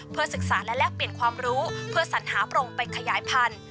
เพื่อศึกษาและแลกเปลี่ยนความรู้เพื่อสัญหาโปรงไปขยายพันธุ์